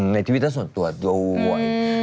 ในทวิตเตอร์ส่วนตัวด้วย